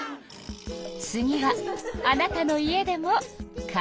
次はあなたの家でも「カテイカ」。